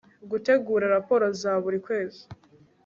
gutegura raporo za buri kwezi